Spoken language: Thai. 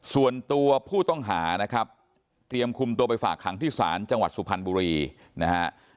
ส่วนตัวผู้ต้องหานะครับเตรียมคุมตัวไปฝากขังที่ศาลจังหวัดสุพรรณบุรีนะฮะ